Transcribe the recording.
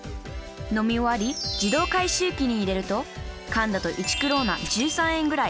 飲み終わり自動回収機に入れると缶だと１クローナ１３円ぐらい。